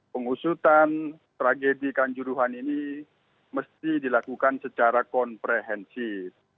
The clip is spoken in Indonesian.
pengusutan tragedi kanjuruhan ini mesti dilakukan secara komprehensif